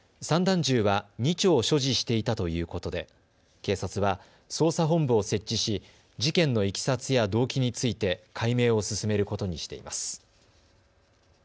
散弾銃は２丁、所持していたということで警察は捜査本部を設置し事件のいきさつや動機について解明を進めることにしています。